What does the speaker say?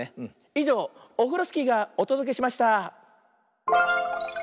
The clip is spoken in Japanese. いじょうオフロスキーがおとどけしました！